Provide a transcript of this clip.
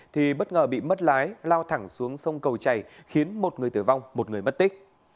thì bất ngờ bị mất lái lao thẳng xuống sông cầu chảy khiến một người tử vong một người mất tích